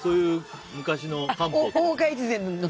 昔の？